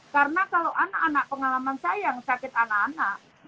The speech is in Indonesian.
karena kalau anak anak pengalaman saya yang sakit anak anak